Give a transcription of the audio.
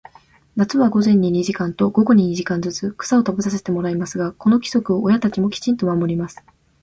夏は午前に二時間と、午後に二時間ずつ、草を食べさせてもらいますが、この規則を親たちもきちんと守ります。